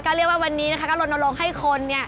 ก็เรียกว่าวันนี้นะคะก็ลงให้คนเนี่ย